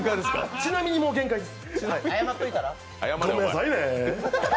ちなみに、もう限界です。